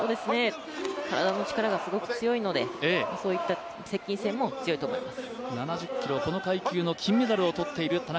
体の力がすごく強いのでそういった接近戦も強いと思います。